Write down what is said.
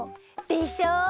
でしょう！